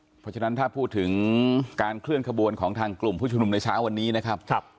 เพราะฉะนั้นถ้าพูดถึงการเคลื่อนขบวนของทางกลุ่มผู้ชมนุมในเช้าวันนี้นะครับ